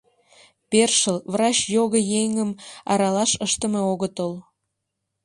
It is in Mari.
«Першыл, врач його еҥым аралаш ыштыме огытыл...